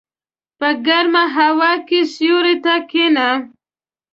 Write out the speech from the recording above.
په ګرمه هوا کې سیوري ته کېنه.